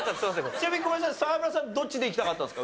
ちなみにごめんなさい沢村さんどっちでいきたかったですか？